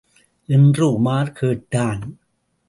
என்று உமார் கேட்டான்.